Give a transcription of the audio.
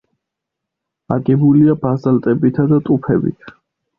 აგებულია ბაზალტებითა და ტუფებით.